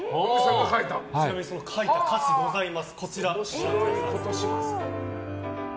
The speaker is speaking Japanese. ちなみにその歌詞がございます。